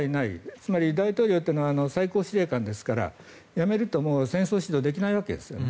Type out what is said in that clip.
つまり大統領というのは最高司令官ですから辞めると戦争指導できないわけです。